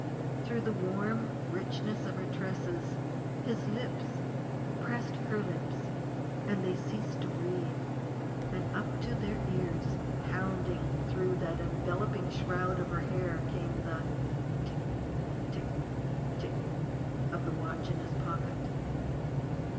Through the warm richness of her tresses his lips pressed her lips, and they ceased to breathe. And up to their ears, pounding through that enveloping shroud of her hair came the tick tick tick of the watch in his pocket.